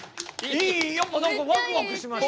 やっぱ何かワクワクしました。